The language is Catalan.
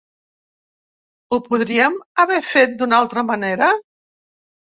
Ho podríem haver fet d’una altra manera?